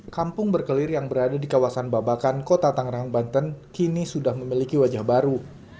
kampung berkelir yang berada di kawasan babakan kota tangerang banten kini sudah memiliki wajah baru